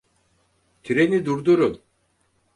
Treni durdurun!